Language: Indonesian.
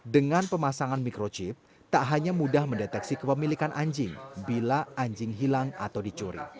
dengan pemasangan microchip tak hanya mudah mendeteksi kepemilikan anjing bila anjing hilang atau dicuri